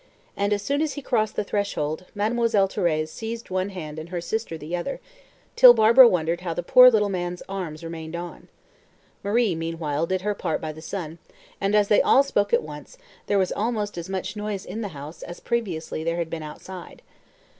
and, as soon as he crossed the threshold, Mademoiselle Thérèse seized one hand and her sister the other, till Barbara wondered how the poor little man's arms remained on. Marie, meanwhile, did her part by the son, and, as they all spoke at once, there was almost as much noise in the house as previously there had been outside.